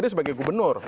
dia sebagai gubernur